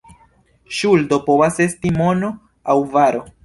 Ŝuldo povas esti mono aŭ varo.